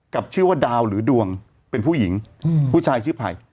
กับชื่อว่าดาวหรือดวงเป็นผู้หญิงผู้ชายชื่อไผ่